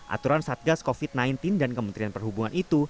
aturan satgas covid sembilan belas dan kementerian perhubungan itu